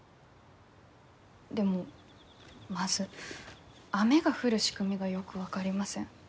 でもまず雨が降る仕組みがよく分かりません。